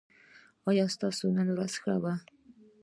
ایا ستاسو نن ورځ ښه وه؟